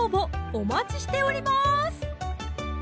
お待ちしております